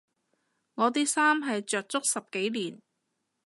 我啲衫係着足十幾年